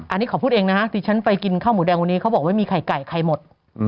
อันนี้ขอพูดเองนะฮะที่ฉันไปกินข้าวหมูแดงวันนี้เขาบอกไม่มีไข่ไก่ไข่หมด